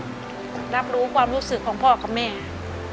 รับรู้ความรู้สึกของพ่อกับแม่